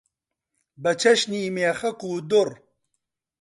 بە چەشنی مێخەک و دوڕ